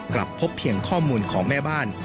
กลับพบเพียงข้อมูลของแม่บ้าน